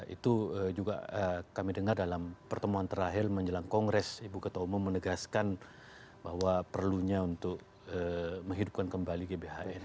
itu juga kami dengar dalam pertemuan terakhir menjelang kongres ibu ketua umum menegaskan bahwa perlunya untuk menghidupkan kembali gbhn